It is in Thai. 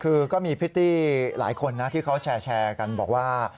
คือก็มีพริตตี้หลายคนนะที่เขาแชร์กันบอกว่า